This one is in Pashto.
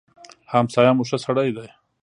همسايه مو ښه سړی دی.